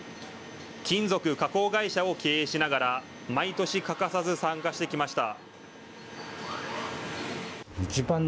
金属加工会社を経営しながら毎年、欠かさず参加してきました。